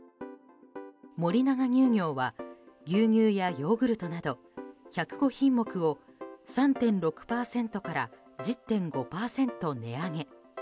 森永乳業は牛乳やヨーグルトなど１０５品目を３．６％から１０．５％値上げ。